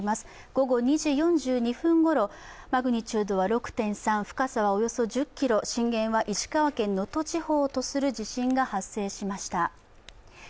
午後２時４２分ごろ、マグニチュードは６．３、深さはおよそ１０ｋｍ震源は石川県能登地方とする地震が発生しました。